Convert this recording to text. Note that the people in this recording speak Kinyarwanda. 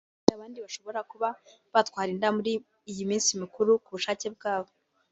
mu gihe abandi bashobora kuba batwara inda muri iyi minsi mikuru ku bushake bwabo